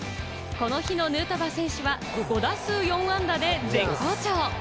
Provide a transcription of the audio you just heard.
この日のヌートバー選手は５打数４安打で絶好調。